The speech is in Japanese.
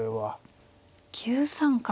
９三角。